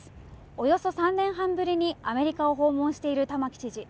およそ３年半ぶりにアメリカを訪問している玉城知事。